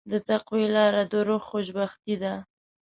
د تقوی لاره د روح خوشبختي ده.